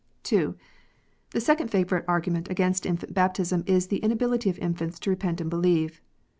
102 KNOTS UNTIED. (2) The second favourite argument against infant baptism is the inability of infants to repent and believe.